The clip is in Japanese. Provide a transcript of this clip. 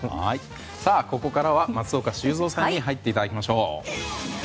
ここからは松岡修造さんに入っていただきましょう。